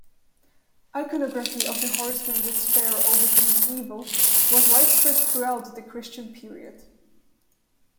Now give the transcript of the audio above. Iconography of the horseman with spear overcoming evil was widespread throughout the Christian period.